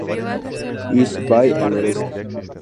Ise Bay, al noreste.